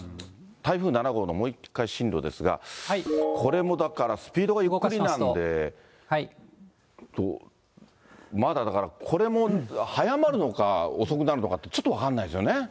台風７号のもう一回進路ですが、これもだから、スピードがゆっくりなんで。まだだからこれも、速まるのか遅くなるのかって、ちょっと分かんないですよね。